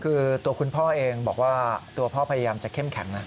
คือตัวคุณพ่อเองบอกว่าตัวพ่อพยายามจะเข้มแข็งนะ